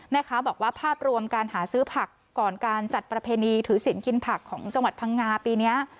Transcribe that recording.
แม่ค้าบอกว่าภาพรวมการหาซื้อผักก่อนการจัดประเพณีถือสินกินผักของจังหวัดพังงาปีนี้